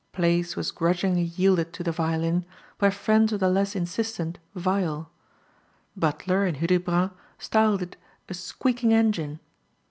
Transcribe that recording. Place was grudgingly yielded to the violin by friends of the less insistent viol. Butler, in Hudibras, styled it "a squeaking engine."